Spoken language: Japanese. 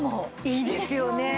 いいですよね。